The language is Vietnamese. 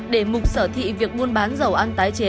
để mục sở thị việc muôn bán dầu ăn